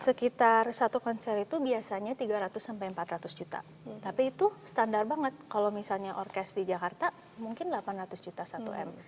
sekitar satu konser itu biasanya tiga ratus sampai empat ratus juta tapi itu standar banget kalau misalnya orkes di jakarta mungkin delapan ratus juta satu m